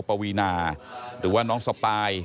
ปวีนาหรือว่าน้องสปาย